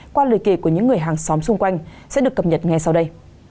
qua lời kỳ của những người hàng xóm xung quanh sẽ được cập nhật ngay sau đây